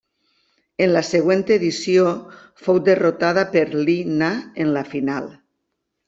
En la següent edició fou derrotada per Li Na en la final.